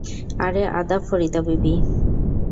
আরে আদাব ফরিদা বিবি!